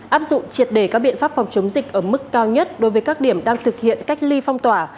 áp dụng triệt đề các biện pháp phòng chống dịch ở mức cao nhất đối với các điểm đang thực hiện cách ly phong tỏa